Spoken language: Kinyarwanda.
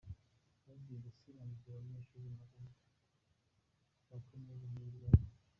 Hagiye gusiramurwa abanyeshuri maganatatu ba Kaminuza Nkuru y’u Rwanda